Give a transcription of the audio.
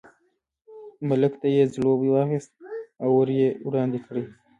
ملک ته یې ځلوبۍ واخیستې او ور یې وړاندې کړې.